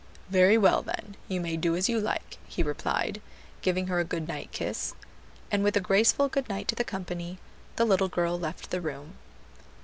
"Very well, then, you may do as you like," he replied, giving her a good night kiss. And with a graceful good night to the company, the little girl left the room.